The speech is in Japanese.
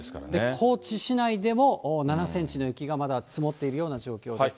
高知市内でも７センチの雪がまだ積もっているような状況です。